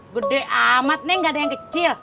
gede amat nih gak ada yang kecil